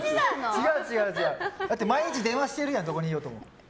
だって毎日電話してるやんどこにいようとも。